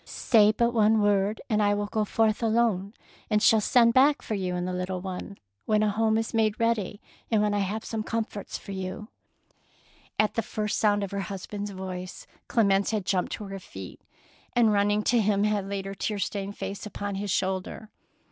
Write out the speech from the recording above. Say but one word, and I will go forth alone, and shall send back for 132 THE PEAEL NECKLACE you and the little one when a home is made ready and when I have some comforts for you." At the first sound of her husband's voice Clemence had jumped to her feet, and running to him had laid her tear stained face upon his shoulder.